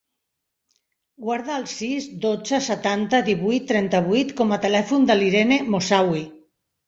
Guarda el sis, dotze, setanta, divuit, trenta-vuit com a telèfon de l'Irene Moussaoui.